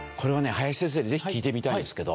林先生にぜひ聞いてみたいんですけど。